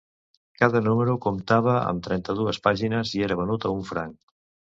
Cada número comptava amb trenta-dues pàgines i era venut a un franc.